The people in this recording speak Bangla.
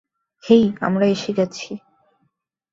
হেই, আমরা এসে গেছি।